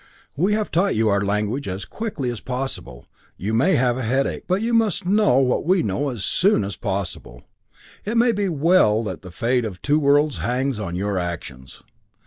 "We have taught you our language as quickly as possible you may have a headache, but you must know what we know as soon as possible. It may well be that the fate of two worlds hangs on your actions.